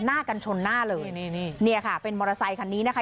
หน้ากันชนหน้าเลยนี่นี่ค่ะเป็นมอเตอร์ไซคันนี้นะคะ